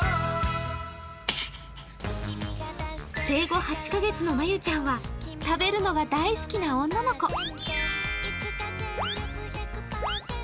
生後８カ月のまゆちゃんは食べるのが大好きな女の子。